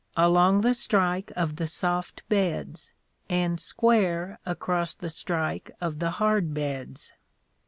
along the strike of the soft beds and square across the strike of — the hard beds.